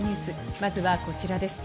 まずはこちらです。